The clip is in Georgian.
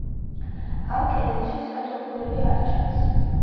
ამ კედელში სათოფურები არ ჩანს.